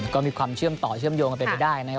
ก็มีความเชื่อมต่อเชื่อมโยงกันเป็นไปได้นะครับ